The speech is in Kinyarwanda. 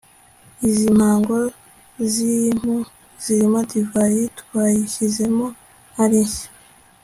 izi mpago z'impu zirimo divayi twayishyizemo ari nshya